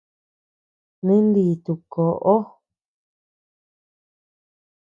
Ninditu koʼo.